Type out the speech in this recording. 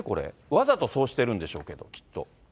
わざとそうしてるんでしょうけど、きっと。